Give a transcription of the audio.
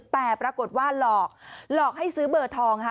แต่ปรากฏว่าหลอกหลอกให้ซื้อเบอร์ทองค่ะ